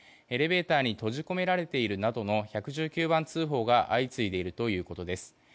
エレベーターに閉じ込められているなどの１１１９番通報が相次いでいるということです。